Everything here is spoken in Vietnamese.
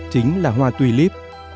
chính là hoa tulip